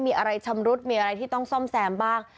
มีอะไรชำรุดมีอะไรที่ต้องซ่อมแซมบ้าง